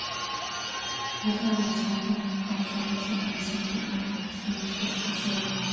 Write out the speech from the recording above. Es la razón por la cual solo se enciende en ocasiones especiales.